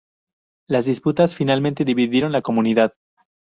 Las disputas finalmente dividieron la comunidad.